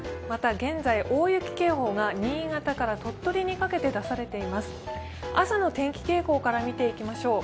また、現在大雪警報が新潟から鳥取にかけて出されています。